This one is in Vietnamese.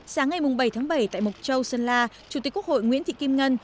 sáng ngày bảy tháng bảy tại mộc châu sơn la chủ tịch quốc hội nguyễn thị kim ngân